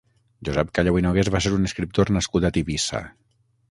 Josep Callau i Nogués va ser un escriptor nascut a Tivissa.